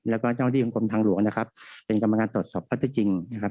แล้วก็เจ้าหน้าที่ของกรมทางหลวงนะครับเป็นกรรมการตรวจสอบข้อที่จริงนะครับ